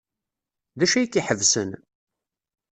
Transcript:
D acu ay k-iḥebsen?